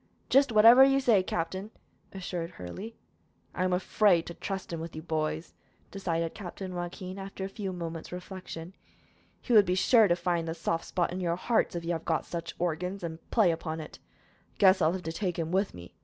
"Jist whatever you say, captain," assured Hurley. "I am afraid to trust him with you, boys," decided Captain Joaquin, after a few moments' reflection. "He would be sure to find the soft spot in your hearts, if you have got such organs, and play upon it. I guess I will take him with me.